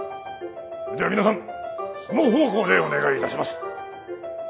それでは皆さんその方向でお願いいたします。